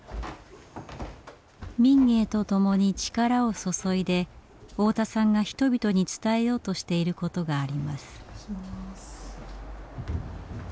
民藝とともに力を注いで太田さんが人々に伝えようとしていることがあります。